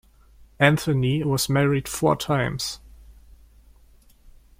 Anthony was married four times.